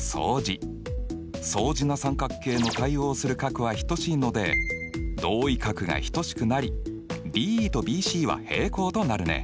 相似な三角形の対応する角は等しいので同位角が等しくなりＤＥとＢＣは平行となるね。